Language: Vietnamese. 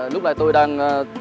lúc này tôi đang